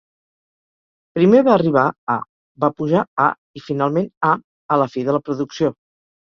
Primer va arribar a, va pujar a, i finalment a, a la fi de la producció.